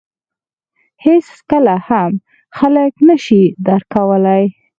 • هېڅکله هم خلک نهشي درک کولای.